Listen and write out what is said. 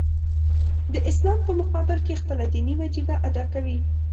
د اسلام په مقابل کې خپله دیني وجیبه ادا کوي.